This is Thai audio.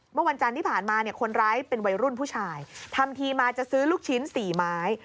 เมื่อวันจันทร์ที่ผ่านมาเนี่ยคนร้ายเป็นวัยรุ่นผู้ชายทำทีมาจะซื้อลูกชิ้น๔ไม้